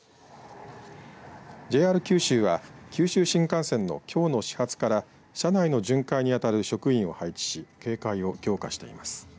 ＪＲ九州は、九州新幹線のきょうの始発から車内の巡回にあたる職員を配置し警戒を強化しています。